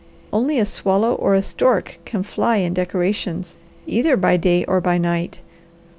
Only a swallow or a stork can fly in decorations, either by day or by night.